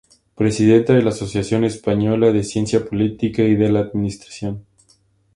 Presidenta de la Asociación Española de Ciencia Política y de la Administración.